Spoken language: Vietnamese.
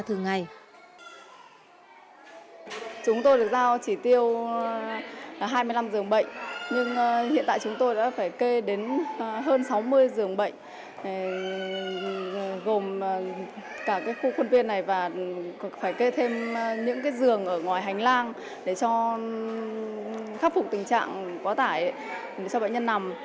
chúng tôi được giao chỉ tiêu là hai mươi năm giường bệnh nhưng hiện tại chúng tôi đã phải kê đến hơn sáu mươi giường bệnh gồm cả khu khuôn viên này và phải kê thêm những giường ở ngoài hành lang để khắc phục tình trạng quá tải cho bệnh nhân nằm